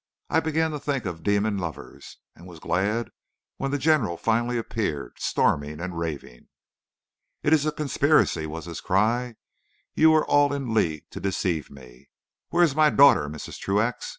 I began to think of demon lovers, and was glad when the general finally appeared, storming and raving. "'It is a conspiracy!' was his cry. 'You are all in league to deceive me. Where is my daughter, Mrs. Truax?